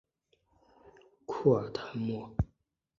库尔泰莫。